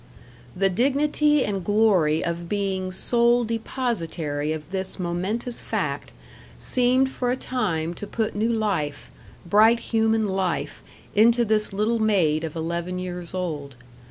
The dignity and glory of being sole depositary of this momentous fact, seemed for a time to put new life bright human life into this little maid of eleven years old.